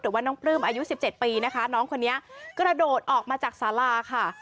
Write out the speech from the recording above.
ว่าน้องปลื้มอายุ๑๗ปีนะคะน้องคนนี้กระโดดออกมาจากสาราค่ะ